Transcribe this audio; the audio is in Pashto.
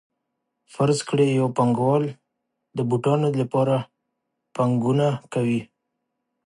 فرض کړئ یو پانګوال د بوټانو لپاره پانګونه کوي